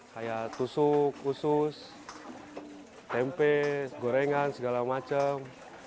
kayak tusuk usus tempe gorengan segala macam